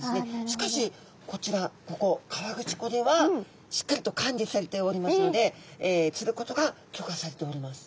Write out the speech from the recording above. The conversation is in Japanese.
しかしこちらここ河口湖ではしっかりと管理されておりますので釣ることが許可されております。